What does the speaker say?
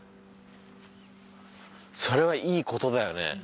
それはいい事だよね。